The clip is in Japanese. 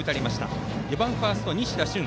続いて４番ファースト、西田瞬。